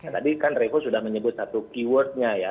tadi kan revo sudah menyebut satu key word nya ya